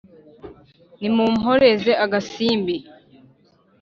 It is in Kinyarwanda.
nimumporeze agasimbi